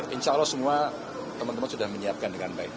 insya allah semua teman teman sudah menyiapkan dengan baik